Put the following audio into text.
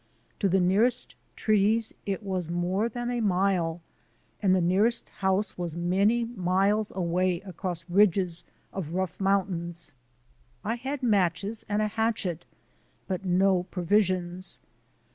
To the nearest trees it was more than a mile, and the nearest house was many miles away across ridges of rough mountains. I had matches and a hatchet, but no provisions.